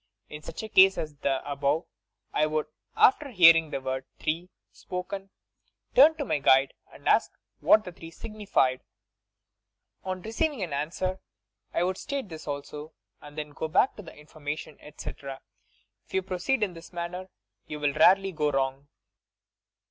In such a ease as the above I would, after hearing the word 'three' spoken, turn to my guide and ask what the three signified. On receiving an answer, I would state this also, and then go back for further information, etc. If you proceed in this manner you will rarely go wrong.